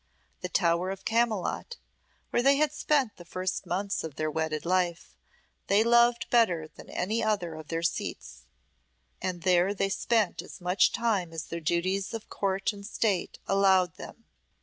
The Tower of Camylott, where they had spent the first months of their wedded life, they loved better than any other of their seats, and there they spent as much time as their duties of Court and State allowed them.